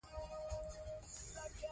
ښوونځي د نجونو لپاره د بیان آزادي تضمینوي.